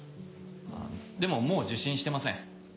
でももう受診してません。